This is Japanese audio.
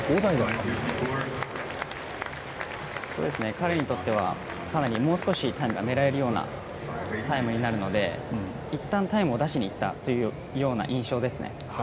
彼にとっては、かなりもう少しタイムが狙えるようなタイムになるのでいったん、タイムを出しにいったというような印象ですね。